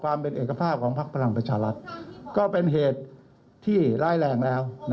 ความเป็นเอกภาพของภาคภลังประชาลัยก็เป็นเหตุที่ลายแหล่งแล้วนะคะ